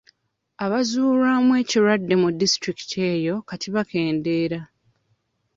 Abazuulwamu ekirwadde mu disitulikiti eyo kati bakendeera.